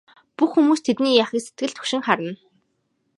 Бүх хүмүүс тэдний яахыг сэтгэл түгшин харна.